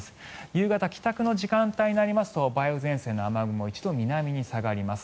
夕方、帰宅の時間帯になりますと梅雨前線の雨雲一度、南に下がります。